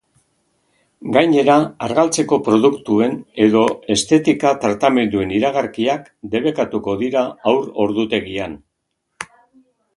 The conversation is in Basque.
Gainera, argaltzeko produktuen edo estetika tratamenduen iragarkiak debekatuko dira haur-ordutegian.